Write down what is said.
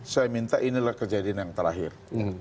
saya minta inilah kejadian yang terakhir